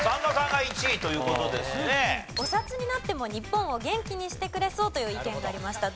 お札になっても日本を元気にしてくれそうという意見がありました。